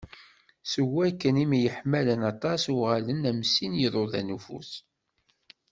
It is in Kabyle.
Seg wakken myeḥmalen aṭas, uγalen am sin n yiḍudan n ufus.